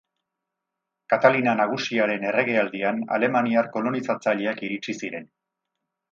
Katalina Nagusiaren erregealdian, alemaniar kolonizatzaileak iritsi ziren.